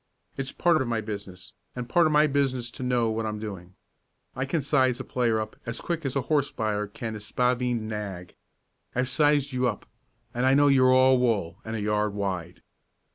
It's part of my business, and part of my business to know what I'm doing. I can size a player up as quick as a horse buyer can a spavined nag. I've sized you up, and I know you're all wool and a yard wide."